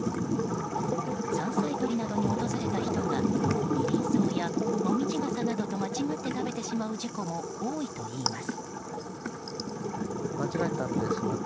山菜とりなどに訪れた人がニリンソウやモミジガサなどと間違って食べてしまう事故も多いといいます。